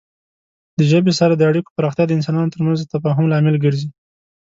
د ژبې سره د اړیکو پراختیا د انسانانو ترمنځ د تفاهم لامل ګرځي.